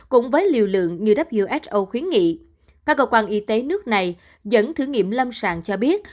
cũng với liều lượng như who khuyến nghị các cơ quan y tế nước này dẫn thử nghiệm lâm sàng cho biết